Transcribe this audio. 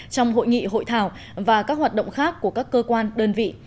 trong hội nghị hội thảo và các hoạt động khác của các cơ quan đơn vị